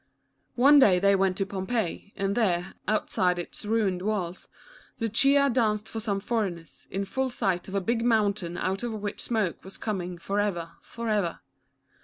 One day they went to Pompeii and there, out side its ruined walls, Lucia danced for some foreigners, in full sight of a big mountain out of which smoke was coming forever, forever.